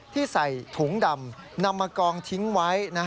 ใส่ถุงดำนำมากองทิ้งไว้